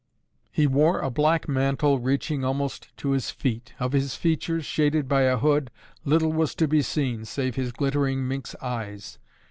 He wore a black mantle reaching almost to his feet. Of his features, shaded by a hood, little was to be seen, save his glittering minx eyes.